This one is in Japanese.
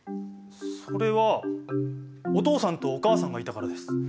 それはお父さんとお母さんがいたからです。